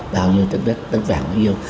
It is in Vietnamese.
bao nhiêu đất đất đất vàng đất yêu